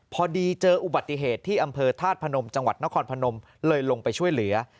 พอดีเจออุบัติเหตุที่อำเภอธาตุพนมจังหวัดนครพนมเลยลงไปช่วยเหลือ